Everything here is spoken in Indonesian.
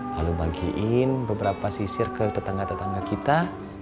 lalu bagiin beberapa sisir ke tetangga tetangga kita